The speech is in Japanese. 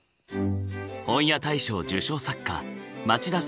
本屋大賞受賞作家町田